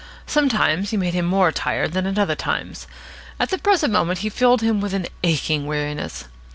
Sometimes he made him more tired than at other times. At the present moment he filled him with an aching weariness.